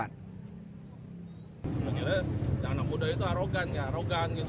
akhirnya anak muda itu arogan ya arogan gitu